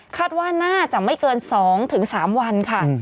คาดว่าน่าจะไม่เกิน๒๓วันค่ะ